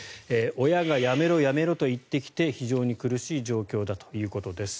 親がやめろやめろと言ってきて非常に苦しい状況だということです。